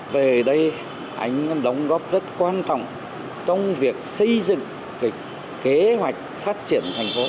về đây anh đóng góp rất quan trọng trong việc xây dựng cái kế hoạch phát triển thành phố